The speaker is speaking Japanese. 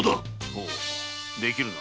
ほうできるな。